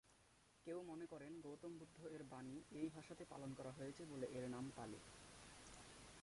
কেউ মনে করেন গৌতম বুদ্ধ এর বাণী এই ভাষাতে পালন করা হয়েছে বলে এর নাম পালি।